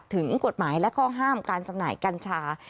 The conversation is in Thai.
ถึงกฎหมายและข้อห้ามการจำหน่ายกัญชา